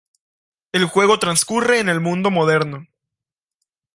El juego transcurre en el mundo moderno.